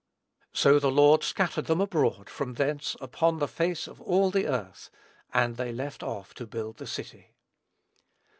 So the Lord scattered them abroad from thence upon the face of all the earth; and they left off to build the city."